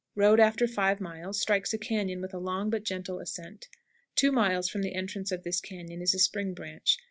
Road after five miles strikes a cañon with a long but gentle ascent. Two miles from the entrance of this cañon is a spring branch.